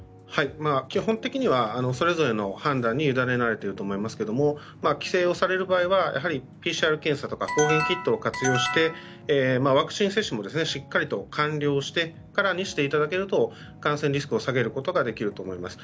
基本的にはそれぞれの判断に委ねられていると思いますが帰省をされる場合はＰＣＲ検査とか抗原キットを活用してワクチン接種もしっかりと完了してからにしていただけると感染リスクを下げることができると思います。